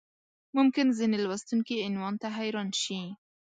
ممکن ځینې لوستونکي عنوان ته حیران شي.